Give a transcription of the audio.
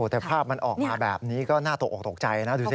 แต่ภาพมันออกมาแบบนี้ก็น่าตกออกตกใจนะดูสิ